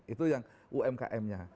itu yang umkm nya